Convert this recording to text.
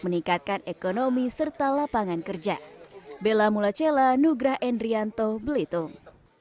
meningkatkan ekonomi serta lapangan kerja bella mulacela nugra endrianto belitung